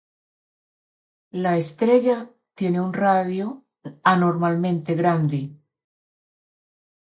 La estrella tiene un radio anormalmente grande.